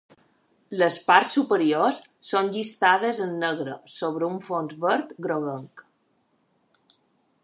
Les parts superiors són llistades en negre sobre un fons verd groguenc.